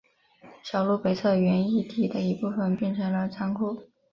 小路北侧原义地的一部分变成了仓库。